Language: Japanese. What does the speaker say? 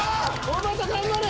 おばた頑張れ！